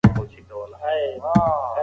نظام مخکې سم سوی و.